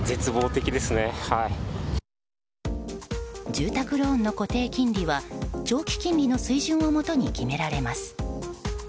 住宅ローンの固定金利は長期金利の水準をもとに決められます。